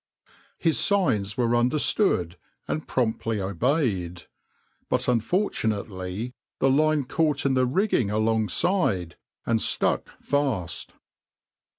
His signs were understood and promptly obeyed, but unfortunately the line caught in the rigging alongside and stuck fast.